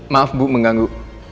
maaf bu mengganggu